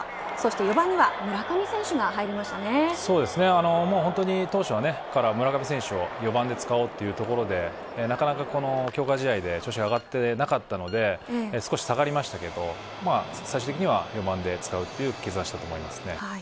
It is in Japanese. そして４番には当初から村上選手を４番で使おうということで強化試合で調子が上がっていなかったので少し下がりましたが最終的には４番で使うという決断をしたと思います。